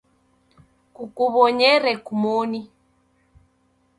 Kukuw'onyere kumoni